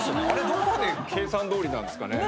どこまで計算どおりなんですかね。